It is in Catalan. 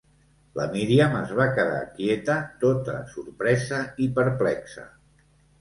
La Míriam es va quedar quieta, tota sorpresa i perplexa.